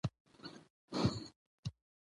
وخت د انسان تر ټولو قیمتي شتمني ده